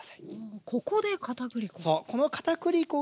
ここでかたくり粉。